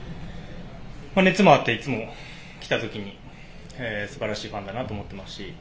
熱もあっていつも来た時に素晴らしいファンだなと思っていますし